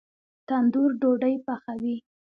تندور ډوډۍ پخوي